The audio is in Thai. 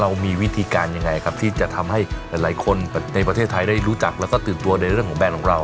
เรามีวิธีการจะทำให้หลายคนในประเทศไทยได้รู้จักและตื่นตัวในเรื่องแบรนด์ของเรา